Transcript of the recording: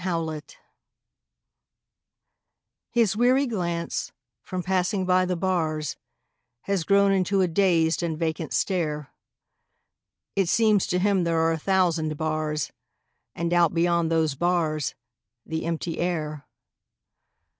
THE PANTHER His weary glance, from passing by the bars, Has grown into a dazed and vacant stare; It seems to him there are a thousand bars And out beyond those bars the empty air.